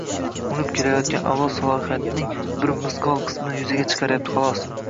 unib kelayotgan avlod salohiyatining bir misqol qismini yuzaga chiqaryapti, xolos.